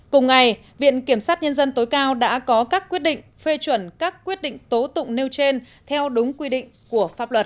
cùng ngày viện kiểm sát nhân dân tối cao đã có các quyết định phê chuẩn các quyết định tố tụng nêu trên theo đúng quy định của pháp luật